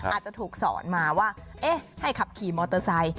อาจจะถูกสอนมาว่าเอ๊ะให้ขับขี่มอเตอร์ไซค์